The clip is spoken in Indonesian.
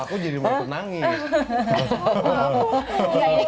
aku jadi mampu nangis